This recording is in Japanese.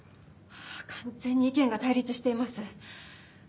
完全に意見が対立しています。